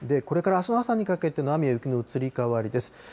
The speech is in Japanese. これからあすの朝にかけての雨や雪の移り変わりです。